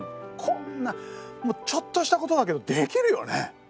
こんなちょっとしたことだけどできるよね？